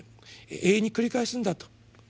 永遠に繰り返すんだと。